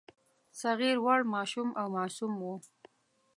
صغیر وړ، ماشوم او معصوم وو.